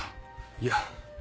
いや。